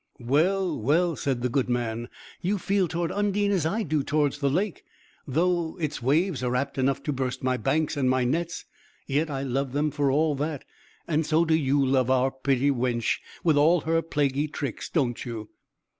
"Well, well," said the good man, "you feel toward Undine as I do toward the lake. Though its waves are apt enough to burst my banks and my nets, yet I love them for all that, and so do you love our pretty wench, with all her plaguey tricks. Don't you?"